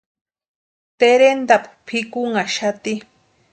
Terentapu pʼikunhaxati.